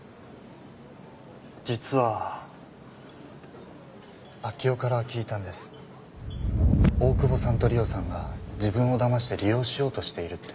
実は明生から聞いたんです大久保さんと里緒さんが自分をだまして利用しようとしているって。